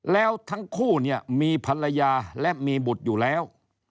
แล้วทั้งคู่เนี่ยมีภรรยาและมีบุตรอยู่แล้ว